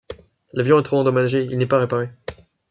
L'avion est trop endommagé, il n'est pas réparé.